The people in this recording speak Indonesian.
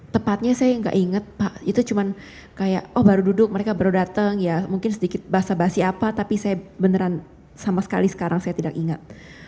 tepatnya saya tidak ingat itu cuma baru duduk mereka baru datang mungkin sedikit bahasa bahasa apa tapi saya benar benar sama sekali sekarang saya tidak ingat